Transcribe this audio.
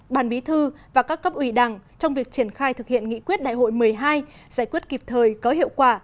bàn bí thư và các cấp ủy đẳng trong việc triển khai thực hiện nghị quyết đại hội một mươi hai giải quyết kịp thời có hiệu quả